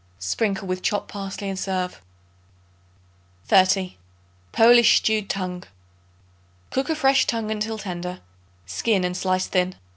Sprinkle with chopped parsley and serve. 30. Polish Stewed Tongue. Cook a fresh tongue until tender; skin and slice thin.